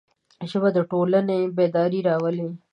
ژبه د ټولنې بیداري راولي